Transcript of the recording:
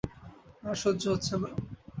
আর সহ্য হচ্ছে না।